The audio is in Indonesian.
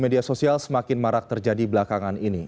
media sosial semakin marak terjadi belakangan ini